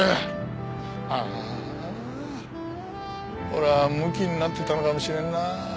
俺はムキになってたのかもしれんなあ。